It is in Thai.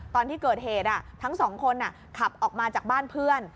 ตอนที่เกิดเหตุทั้งสองคนขับออกมาจากบ้านเพื่อน